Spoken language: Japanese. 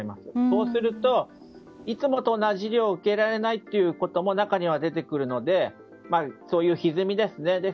そうするといつもと同じ医療を受けられないということが中には出てくるのでそういうひずみですね。